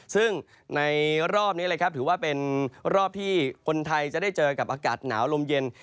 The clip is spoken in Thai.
ซึ่งในรอบนี้เลยครับถือว่าเป็นรอบที่คนไทยจะได้เจอกับอากาศหนาวลมเย็น